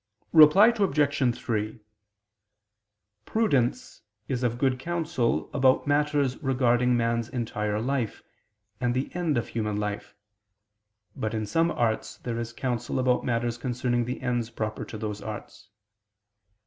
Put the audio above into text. Reply Obj. 3: Prudence is of good counsel about matters regarding man's entire life, and the end of human life. But in some arts there is counsel about matters concerning the ends proper to those arts.